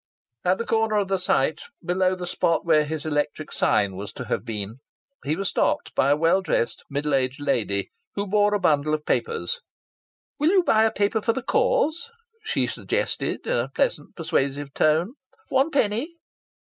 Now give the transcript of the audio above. At the corner of the site, below the spot where his electric sign was to have been, he was stopped by a well dressed middle aged lady who bore a bundle of papers. "Will you buy a paper for the cause?" she suggested in a pleasant, persuasive tone. "One penny."